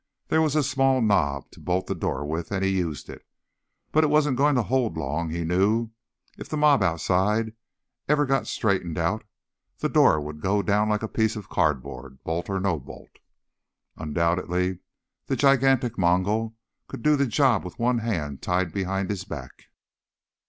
There was a small knob to bolt the door with, and he used it. But it wasn't going to hold long, he knew. If the mob outside ever got straightened out, the door would go down like a piece of cardboard, bolt or no bolt. Undoubtedly the gigantic Mongol could do the job with one hand tied behind his back.